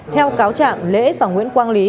theo cáo chạm lễ và nguyễn quang lý